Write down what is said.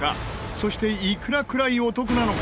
そして、いくらくらいお得なのか？